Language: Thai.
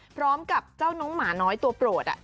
พร้อมกับเจ้าน้องหมาน้อยตัวโปรด